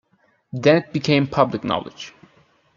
Then it became public knowledge.